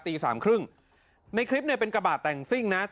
ตีสามครึ่งในคลิปเป็นกระบาดแต่งซิ่งคันนี้